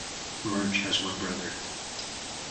March has one brother.